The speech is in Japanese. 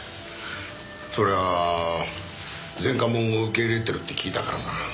それは前科者を受け入れてるって聞いたからさ。